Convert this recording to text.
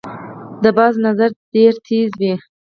د باز نظر ډیر تېز وي